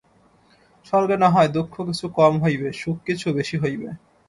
স্বর্গে না হয় দুঃখ কিছু কম হইবে, সুখ কিছু বেশী হইবে।